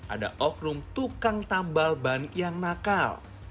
ada oknum tukang tambal ban yang nakal